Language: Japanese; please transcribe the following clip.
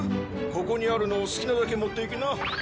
ここにあるのを好きなだけ持っていきな。